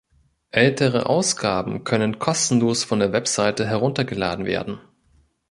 Ältere Ausgaben können kostenlos von der Webseite heruntergeladen werden.